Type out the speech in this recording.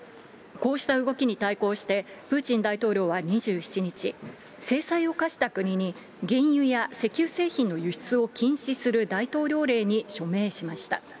こうした動きに対抗して、プーチン大統領は２７日、制裁を科した国に原油や石油製品の輸出を禁止する大統領令に署名しました。